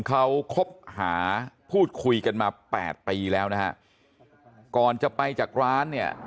เขาคบหาพูดคุยกันมาแปดปีแล้วนะฮะก่อนจะไปจากร้านเนี่ย